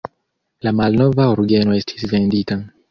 La malnova orgeno estis vendita.